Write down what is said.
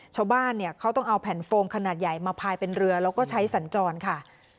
ชาวบ้านเนี่ยเขาต้องเอาแผ่นโฟมขนาดใหญ่มาพายเป็นเรือแล้วก็ใช้สัญจรค่ะ